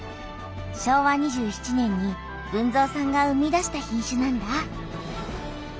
昭和２７年に豊造さんが生み出した品種なんだ。